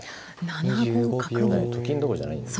はいと金どころじゃないんです。